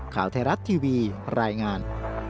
ข่าวไทยรัฐทีวีรายงาน